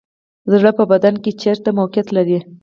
زړه په بدن کې چیرته موقعیت لري